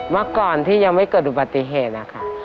มาก่อนที่ยังไม่เกิดปฏิเหตุนะค่ะ